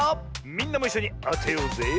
みんなもいっしょにあてようぜ。